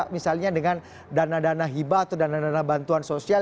misalnya dengan dana dana hibah atau dana dana bantuan sosial